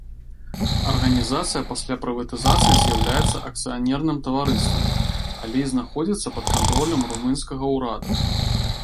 Арганізацыя пасля прыватызацыі з'яўляецца акцыянерным таварыстам, але і знаходзіцца пад кантролем румынскага ўрада.